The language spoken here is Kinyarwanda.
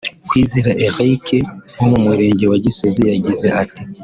Kwizera Eric wo mu murenge wa Gisozi yagize ati